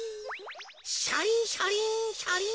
シャリンシャリンシャリン。